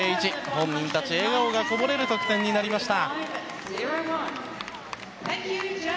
本人たち、笑顔がこぼれる得点になりました。